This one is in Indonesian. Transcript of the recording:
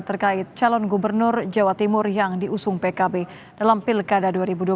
terkait calon gubernur jawa timur yang diusung pkb dalam pilkada dua ribu dua puluh